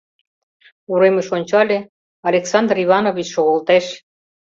Уремыш ончале — Александр Иванович шогылтеш.